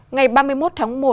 ngày ba mươi một tháng một